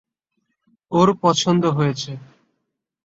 ওর পছন্দ হয়েছে।